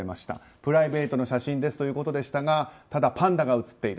プライベートの写真ですということでしたがパンダが写っている。